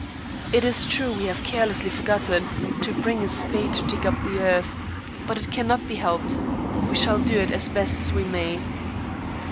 It is true we have carelessly forgotten to bring a spade to dig up the earth, but it cannot be helped, we shall do it as best we may.